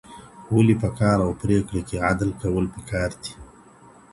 ولي په کار او پرېکړه کې عدل کول پکار دي؟